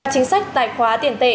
chính sách tài khoá tiền tệ